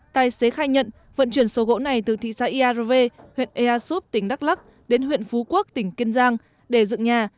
tài xế khai nhận vận chuyển số gỗ này từ thị xã iarv huyện easup tỉnh đắk lắc đến huyện phú quốc tỉnh kiên giang để dựng nhà